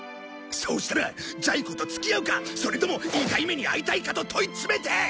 そうしたらジャイ子と付き合うかそれとも痛い目に遭いたいかと問い詰めて！